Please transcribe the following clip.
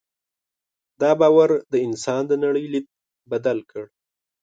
دا باور د انسان د نړۍ لید بدل کړ.